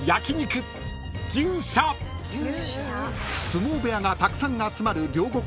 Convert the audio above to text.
［相撲部屋がたくさん集まる］